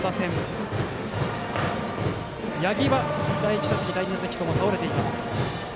バッター、八木は第１打席、第２打席とも倒れています。